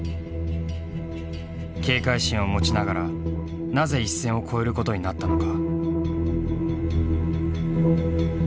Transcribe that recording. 警戒心を持ちながらなぜ一線を越えることになったのか。